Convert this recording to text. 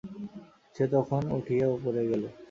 সে তখন উঠিয়া উপরে গেল।